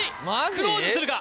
クローズするか？